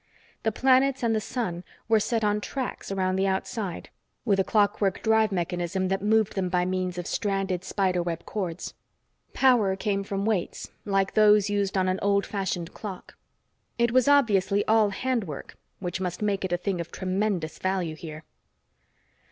The planets and the sun were set on tracks around the outside, with a clockwork drive mechanism that moved them by means of stranded spiderweb cords. Power came from weights, like those used on an old fashioned clock. It was obviously all hand work, which must make it a thing of tremendous value here.